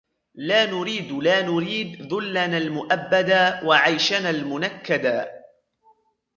لا نُريــــــدْ لا نُريــــــدْ ذُلَّـنَـا المُـؤَبَّـدا وعَيشَـنَا المُنَكَّـدا